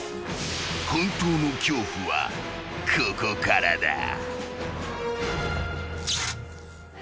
［本当の恐怖はここからだ］